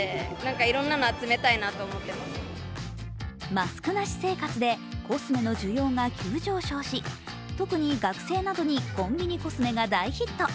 マスクなし生活でコスメの需要が急上昇し特に学生などにコンビニコスメが大ヒット。